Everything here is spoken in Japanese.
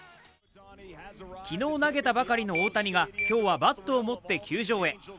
昨日投げたばかりの大谷が今日はバットを持って球場へ。